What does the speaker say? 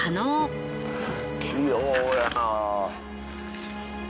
器用やなぁ。